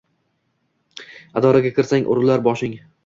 Idoraga kirsang urilar boshing